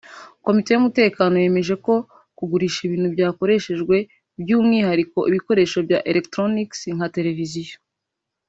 Komite y’Umutekano yemeje ko kugurisha ibintu byakoreshejwe by’umwihariko ibikoresho bya electronics nka televiziyo